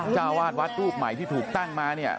ชาวาสวัสตร์รูปใหม่ที่ถูกตั้งมาเนี่ย